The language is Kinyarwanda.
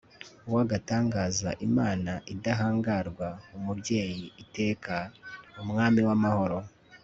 w'agatangaza, imana idahangarwa, umubyeyi iteka, umwami w'amahoro